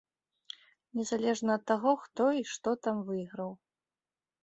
Незалежна ад таго, хто і што там выйграў.